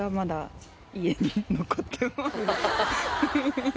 フフフ。